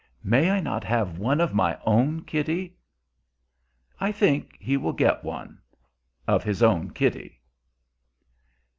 May I not have one of my own, Kitty?" I think he will get one of his own Kitty.